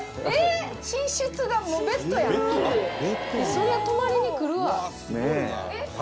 そりゃ泊まりに来るわ。